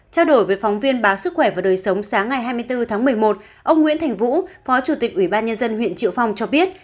trao đổi với phóng viên báo sức khỏe và đời sống sáng ngày hai mươi bốn tháng một mươi một ông nguyễn thành vũ phó chủ tịch ủy ban nhân dân huyện triệu phong cho biết